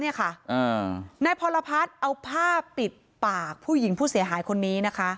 นายพรพัฒน์เอาผ้าปิดปากผู้หญิงผู้เสียหายคนนี้นะคะ